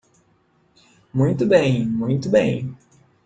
Muito bem, muito bem.